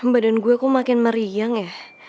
badan gue kok makin meriang ya